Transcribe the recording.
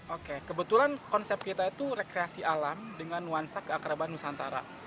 oke kebetulan konsep kita itu rekreasi alam dengan nuansa keakraban nusantara